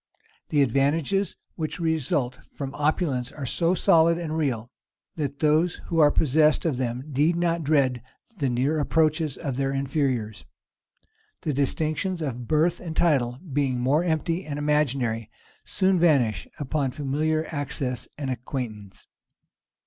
The advantages which result from opulence are so solid and real, that those who are possessed of them need not dread the near approaches of their inferiors. The distinctions of birth and title, being more empty and imaginary, soon vanish upon familiar access and acquaintance.